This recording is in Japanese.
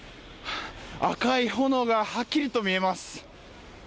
赤い炎がはっきりと見えます。